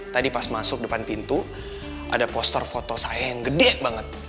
tadi pas masuk depan pintu ada poster foto saya yang gede banget